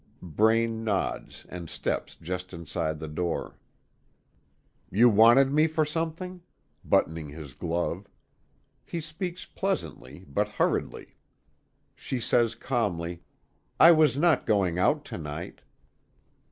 Braine nods, and steps just inside the door: "You wanted me for something?" buttoning his glove he speaks pleasantly, but hurriedly. She says calmly; "I was not going out to night."